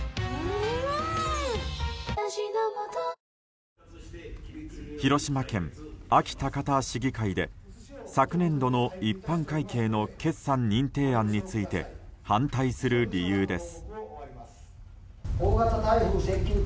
ニトリ広島県、安芸高田市議会で昨年度の一般会計の決算認定案について反対する理由です。